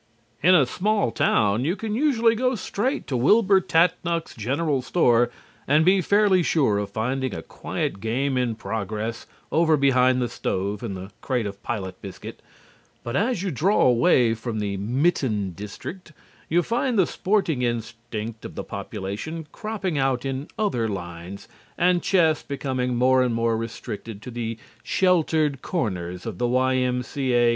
In a small town you can usually go straight to Wilbur Tatnuck's General Store, and be fairly sure of finding a quiet game in progress over behind the stove and the crate of pilot biscuit, but as you draw away from the mitten district you find the sporting instinct of the population cropping out in other lines and chess becoming more and more restricted to the sheltered corners of Y.M.C.A.